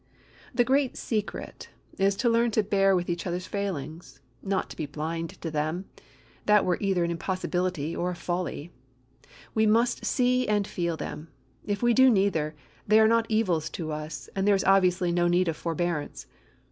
The great secret is to learn to bear with each other's failings; not to be blind to them—that were either an impossibility or a folly. We must see and feel them; if we do neither, they are not evils to us, and there is obviously no need of forbearance.